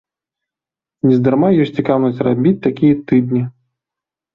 Нездарма ёсць цікаўнасць рабіць такія тыдні.